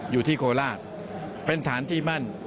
อยู่ที่โคลาศเป็นฐานที่มั่น